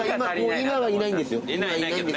今はいないんですけど。